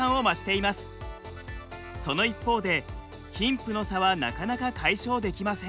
その一方で貧富の差はなかなか解消できません。